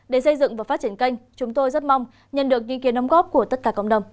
để xây dựng và phát triển kênh chúng tôi rất mong nhận được ý kiến nông góp của tất cả cộng đồng